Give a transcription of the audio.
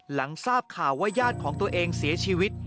หลังทราบข่าวว่าญาติของตัวเองเสียชีวิต